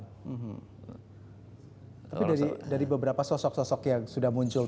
tapi dari beberapa sosok sosok yang sudah muncul